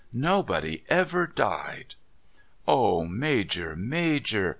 Nobody ever died.' ' Ah, Major, Major